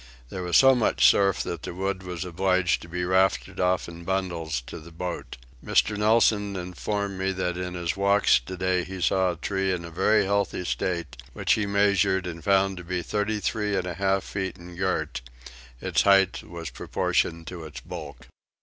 There was so much surf that the wood was obliged to be rafted off in bundles to the boat. Mr. Nelson informed me that in his walks today he saw a tree in a very healthy state which he measured and found to be thirty three feet and a half in girt; its height was proportioned to its bulk.